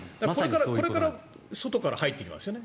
これから外から入ってきますよね。